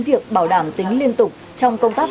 việc bảo đảm tính liên tục trong công tác